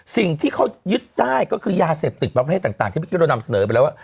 สิ่งที่เขายึดได้ก็คือยาเสพติดประเภทต่างที่เมื่อกี้เรานำเสนอไปแล้วว่า